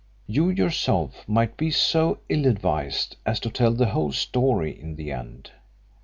You yourself might be so ill advised as to tell the whole story in the end.